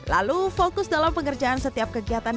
lalu fokus dalam pengerjaan setiap kegiatan